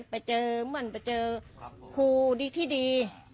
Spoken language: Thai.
ไปเจอเหมือนไปเจอครูดีที่ดี